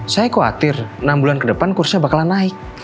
saya khawatir enam bulan ke depan kursnya bakalan naik